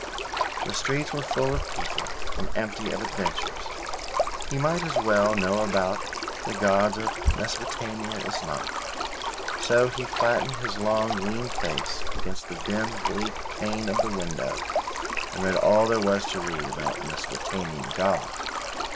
The streets were full of people and empty of adventures. He might as well know about the gods of Mesopotamia as not; so he flattened his long, lean face against the dim bleak pane of the window and read all there was to read about Mesopotamian gods.